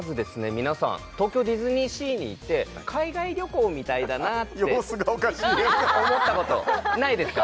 皆さん東京ディズニーシーに行って海外旅行みたいだなって様子がおかしい思ったことないですか？